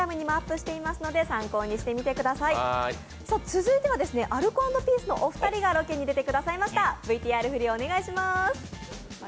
続いてはアルコ＆ピースのお二人にロケに出ていただきました。